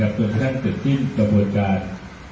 ตัวแทรกถึงจิ้มประบวนการ